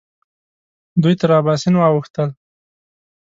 دوی تر اباسین واوښتل.